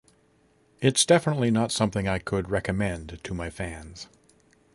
It's definitely not something I could recommend to my fans.